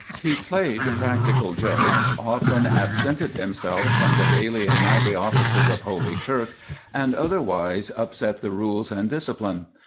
He played practical jokes, often absented himself from the daily and nightly offices of Holy Kirk, and otherwise upset the rules and discipline.